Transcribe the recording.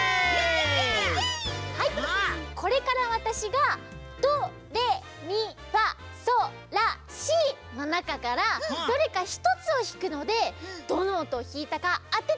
はいこれからわたしがドレミファソラシのなかからどれかひとつをひくのでどのおとをひいたかあててみてください！